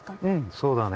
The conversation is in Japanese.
そうだね。